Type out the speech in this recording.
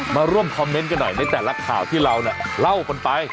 มาร่วมคอมเมนต์กันหน่อยในแต่ละข่าวที่เราเล่ากันไป